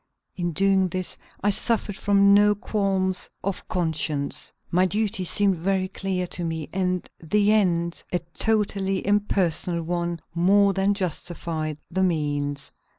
In doing this I suffered from no qualms of conscience. My duty seemed very clear to me, and the end, a totally impersonal one, more than justified the means.